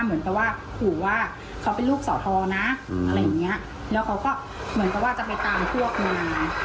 เหมือนกับว่าเขาเป็นลูกสอทอนะแล้วเขาก็เหมือนกับว่าจะไปตามพวกมา